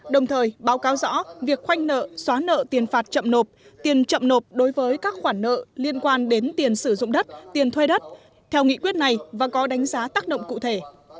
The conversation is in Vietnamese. đồng thời báo cáo rõ việc khoanh nợ xóa nợ tiền phạt chậm nộp tiền chậm nộp đối với các khoản nợ liên quan đến tiền sử dụng đất tiền thuê đất theo nghị quyết này và có đánh giá tác động cụ thể